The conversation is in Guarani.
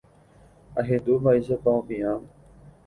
ahendu mba'éichapa opiã